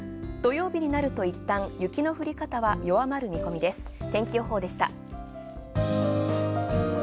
土曜日になるといったん、雪の降り方は弱まる見込みです。